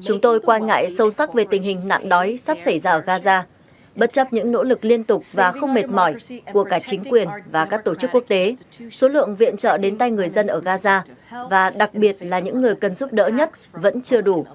chúng tôi quan ngại sâu sắc về tình hình nạn đói sắp xảy ra ở gaza bất chấp những nỗ lực liên tục và không mệt mỏi của cả chính quyền và các tổ chức quốc tế số lượng viện trợ đến tay người dân ở gaza và đặc biệt là những người cần giúp đỡ nhất vẫn chưa đủ